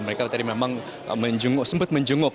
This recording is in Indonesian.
mereka tadi memang sempat menjenguk